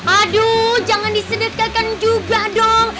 aduh jangan disedekahkan juga dong